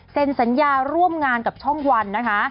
สัญญาร่วมงานกับช่องวันนะคะ